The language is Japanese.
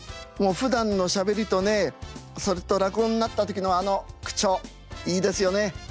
もうふだんのしゃべりとねそれと落語になった時のあの口調いいですよね。